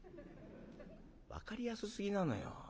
「分かりやすすぎなのよ。